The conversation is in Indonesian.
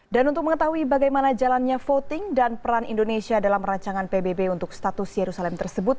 untuk mengetahui bagaimana jalannya voting dan peran indonesia dalam rancangan pbb untuk status yerusalem tersebut